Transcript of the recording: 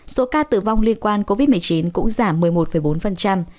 số ca tử vong liên quan covid một mươi chín cũng giảm một mươi một bốn